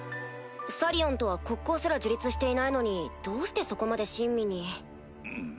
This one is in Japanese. サリオンとは国交すら樹立していないのにどうしてそこまで親身に。